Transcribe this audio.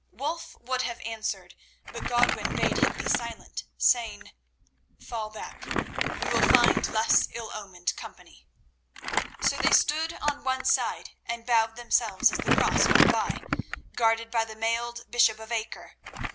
Wulf would have answered, but Godwin bade him be silent, saying: "Fall back; we will find less ill omened company." So they stood on one side and bowed themselves as the Cross went by, guarded by the mailed bishop of Acre.